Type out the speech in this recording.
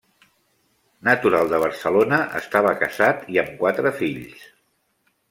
Natural de Barcelona, estava casat i amb quatre fills.